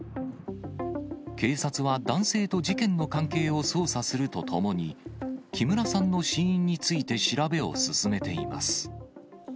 警察は男性と事件の関係を捜査するとともに、木村さんの死因について調べを進めています。